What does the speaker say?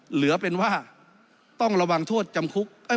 เหลือเป็นว่าต้องระวังโทษจำคุก